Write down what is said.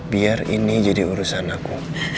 biar ini jadi urusan aku